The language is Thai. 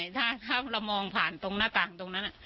ถ้าเรามองผ่านตรงหน้าต่างตรงนั้น